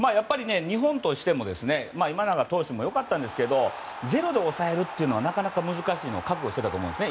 日本としても今永投手も良かったんですけどゼロで抑えるというのはなかなか難しいと覚悟していたと思います。